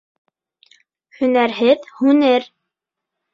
Һөнәрһеҙ һүнер.